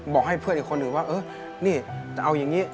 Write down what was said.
บอกให้เพื่อนอีกคนอื่นว่าเออนี่จะเอาอย่างนี้